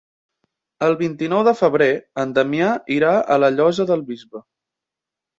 El vint-i-nou de febrer en Damià irà a la Llosa del Bisbe.